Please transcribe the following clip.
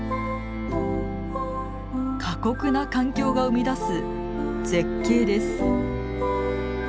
過酷な環境が生み出す絶景です。